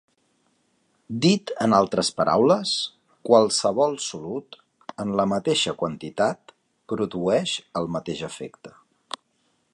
Dit en altres paraules, qualsevol solut, en la mateixa quantitat, produeix el mateix efecte.